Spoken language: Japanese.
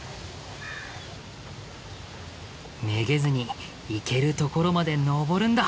めげずに行けるところまで登るんだ！